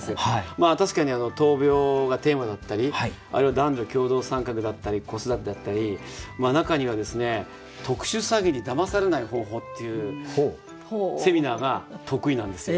まあ確かに「闘病」がテーマだったりあるいは「男女共同参画」だったり「子育て」だったり中にはですね「特殊詐欺にだまされない方法」っていうセミナーが得意なんですよ。